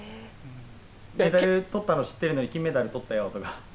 メダルとったの知ってるのに金メダルとったよとか。